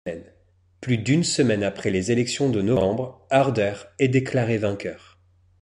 Plus d'une semaine après les élections de novembre, Harder est déclaré vainqueur.